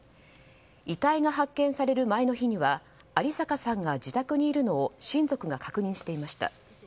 遺体が発見される前の日には有坂さんが自宅にいるのを親族が確認していました。